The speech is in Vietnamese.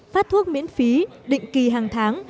phát thuốc miễn phí định kỳ hàng tháng